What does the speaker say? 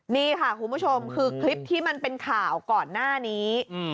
นี่ค่ะคุณผู้ชมคือคลิปที่มันเป็นข่าวก่อนหน้านี้